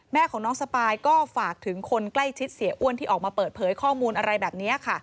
แม่ของน้องสปายก็ฝากถึงคนใกล้ชิดเสียอ้วนที่ออกมาเปิดเผยข้อมูลอะไรแบบนี้ค่ะ